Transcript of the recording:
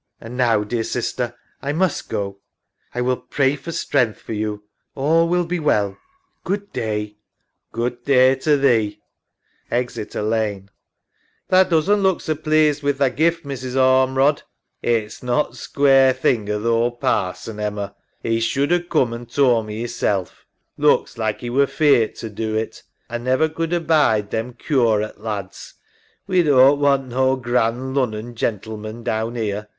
And now, dear sister, I must go. I will pray for strength for you. All will be well. Good day. SARAH. Good day to thee. [Exit Alleyne. EMMA. Tha doesn't look so pleased wi' tha gift, Mrs. Or merod. SARAH. It's not square thing of th' ould Parson, Emma. 'E should a coom an' tould me 'isself. Looks hke 'e were feart to do it. A never could abide them curate lads. We doan't want no grand Lunnon gentlemen down 'ere.